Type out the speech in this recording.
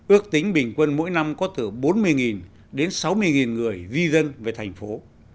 ước tính bình quân mỗi năm có từ bốn mươi đến sáu mươi người di dân về thành phố